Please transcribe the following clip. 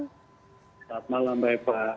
selamat malam mbak eva